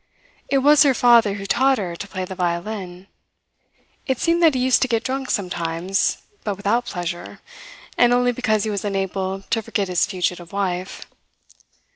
It was her father who taught her to play the violin. It seemed that he used to get drunk sometimes, but without pleasure, and only because he was unable to forget his fugitive wife.